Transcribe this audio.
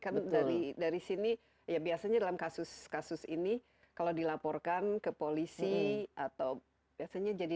kan dari sini ya biasanya dalam kasus kasus ini kalau dilaporkan ke polisi atau biasanya jadi